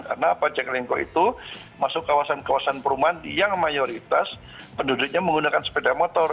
karena apa jack lengko itu masuk kawasan kawasan perumahan yang mayoritas penduduknya menggunakan sepeda motor